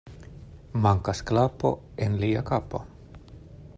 Mankas klapo en lia kapo.